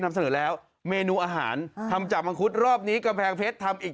นำเสนอแล้วเมนูอาหารทำจากมังคุดรอบนี้กำแพงเพชรทำอีก